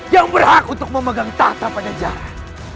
yang berhak untuk memegang tata pajajaran